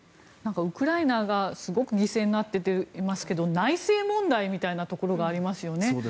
ウクライナがすごく犠牲になっていますが内政問題みたいなところがありますよね。